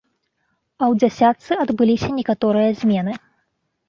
І ў дзясятцы адбыліся некаторыя змены.